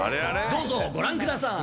どうぞご覧ください。